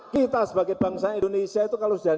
kita sebagai bangsa indonesia itu kalau sudah